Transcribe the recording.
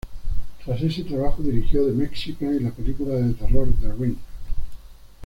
Tras este trabajo, dirigió "The Mexican" y la película de terror "The Ring".